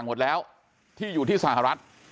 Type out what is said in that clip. กลุ่มตัวเชียงใหม่